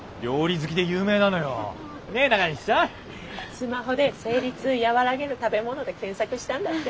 スマホで「生理痛和らげる食べ物」で検索したんだって。